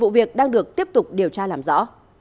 việc đang được tiếp tục điều tra làm rõ